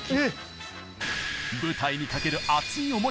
舞台にかける熱い思い！